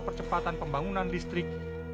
percepatan pembangunan listrik